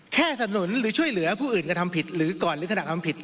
สนุนหรือช่วยเหลือผู้อื่นกระทำผิดหรือก่อนหรือขณะทำผิด